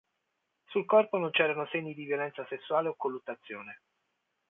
Sul corpo non c'erano segni di violenza sessuale o colluttazione.